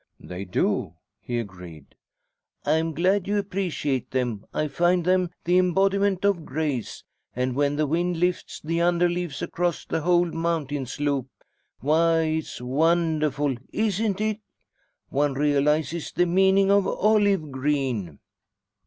"They do," he agreed. "I'm glad you appreciate them. I find them the embodiment of grace. And when the wind lifts the under leaves across a whole mountain slope why, it's wonderful, isn't it? One realises the meaning of 'olive green'."